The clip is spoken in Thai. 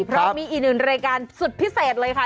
เพราะมีอีกหนึ่งรายการสุดพิเศษเลยค่ะ